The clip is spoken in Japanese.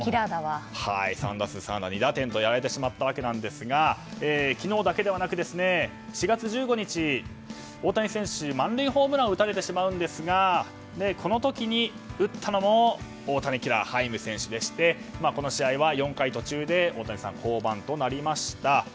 ３打数３安打２打点とやられてしまったわけですが昨日だけではなく４月１５日、大谷選手満塁ホームランを打たれてしまうんですがこの時に打ったのも大谷キラーハイム選手でしてこの試合は４回途中で大谷さん降板となりました。